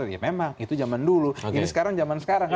ya memang itu zaman dulu ini sekarang zaman sekarang